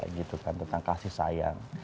gitu kan tentang kasih sayang